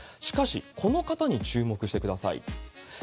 しかし、この方に注目してください。